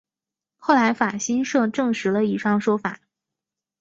后来法新社证实了以上说法。